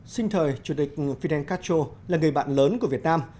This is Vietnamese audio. sinh thời chủ tịch fidel castro là người bạn lớn của việt nam